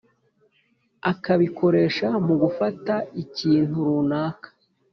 ikabikoresha mu gufata ikintu runaka